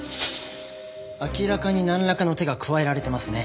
明らかになんらかの手が加えられてますね。